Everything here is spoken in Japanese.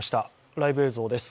ライブ映像です。